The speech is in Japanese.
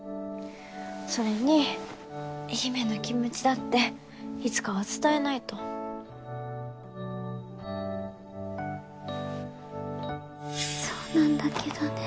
それに陽芽の気持ちだっていつかは伝えないとそうなんだけどね